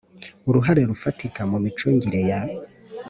Uruhare rufatika mu micungire ya